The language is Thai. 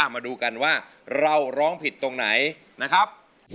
มาดูกันว่าเราร้องผิดตรงไหนนะครับ